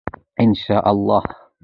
انشاءالله.